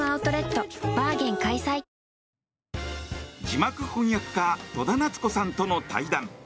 字幕翻訳家戸田奈津子さんとの対談。